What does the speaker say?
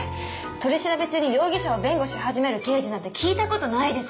取り調べ中に容疑者を弁護し始める刑事なんて聞いた事ないです！